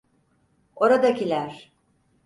Oradakiler!